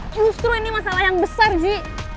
justru ini masalah yang besar ji